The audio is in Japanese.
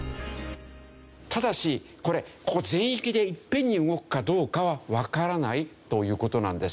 ただしこれ全域でいっぺんに動くかどうかはわからないという事なんです。